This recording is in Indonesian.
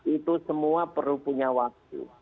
itu semua perlu punya waktu